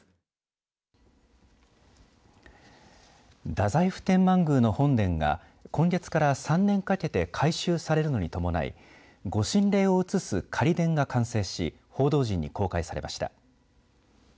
太宰府天満宮の本殿が今月から３年かけて改修されるのに伴い御神霊を移す仮殿が完成し報道陣に公開されました。